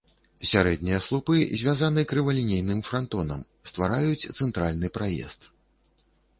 Сярэднія слупы звязаны крывалінейным франтонам, ствараюць цэнтральны праезд.